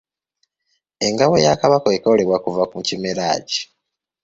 Engabo ya Kabaka ekolebwa kuva ku kimera ki?